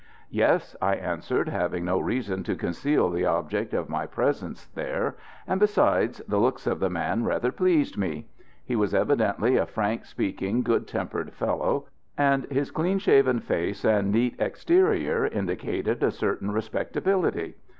"Yes," I answered, having no reason to conceal the object of my presence there, and, besides, the looks of the man rather pleased me. He was evidently a frank speaking, good tempered fellow, and his clean shaven face and neat exterior indicated a certain respectability.